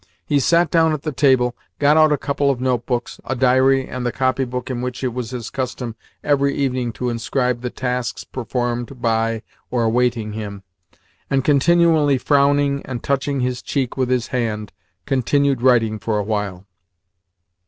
He sat down at the table, got out a couple of notebooks a diary and the copy book in which it was his custom every evening to inscribe the tasks performed by or awaiting him and, continually frowning and touching his cheek with his hand, continued writing for a while.